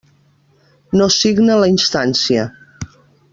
No signa la instància.